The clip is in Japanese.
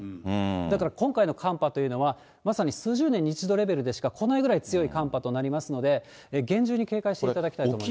だから今回の寒波というのは、まさに数十年に一度レベルでしか来ないぐらい強い寒波となりますので、厳重に警戒していただきたいと思います。